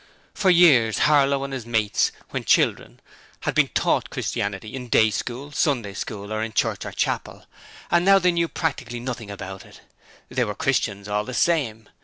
For years Harlow and his mates when children had been 'taught' 'Christianity' in day school, Sunday School and in church or chapel, and now they knew practically nothing about it! But they were 'Christians' all the same.